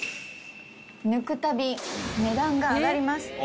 「抜くたび値段が上がります」。